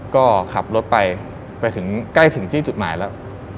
ก็ขับรถไปไปถึงใกล้ถึงที่จุดหมายแล้ว